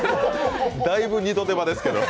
だいぶ二度手間ですけど。